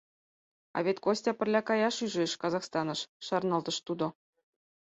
— А вет Костя пырля каяш ӱжеш, Казахстаныш, — шарналтыш тудо.